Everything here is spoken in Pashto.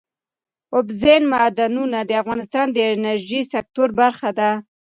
اوبزین معدنونه د افغانستان د انرژۍ سکتور برخه ده.